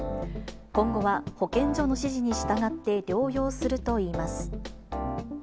今後は、保健所に指示に従って療養するといいます。